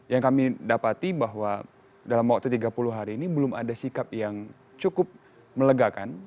yang kami dapati bahwa dalam waktu tiga puluh hari ini belum ada sikap yang cukup melegakan